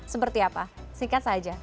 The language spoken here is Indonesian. seperti apa singkat saja